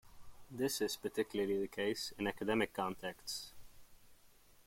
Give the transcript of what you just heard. This is particularly the case in academic contexts.